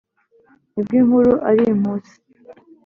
ubwo inkuru ari inkusi